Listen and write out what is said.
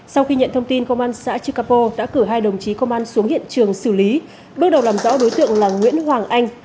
sau khi nhận thông tin công an xã chư capo đã cử hai đồng chí công an xuống hiện trường xử lý bước đầu làm rõ đối tượng là nguyễn hoàng anh